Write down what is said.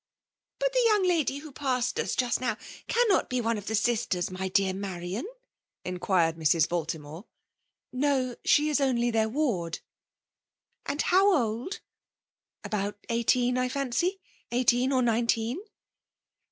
*' But the young lady who passed us just now^ cannot be one of the sisters, my dear Marian?" inquired Mrs. Baltimore. *' No ! she is only their ward." " And how old ?"" About eighteen, I fancy ;— eighteen or nineteen.'